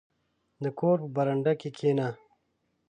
• د کور په برنډه کښېنه.